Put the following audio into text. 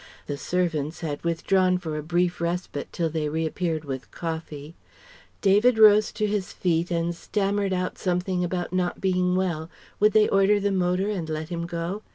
the servants had withdrawn for a brief respite till they reappeared with coffee, David rose to his feet and stammered out something about not being well would they order the motor and let him go?